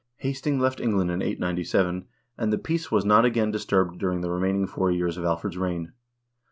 Hasting left England in 897, and the peace was not again disturbed during the remaining four years of Alfred's reign.